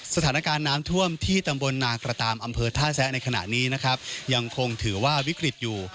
สถานการณ์น้ำท่วมที่ตำบลนากระตามอำเภอท่าแซะในขณะนี้นะครับยังคงถือว่าวิกฤตอยู่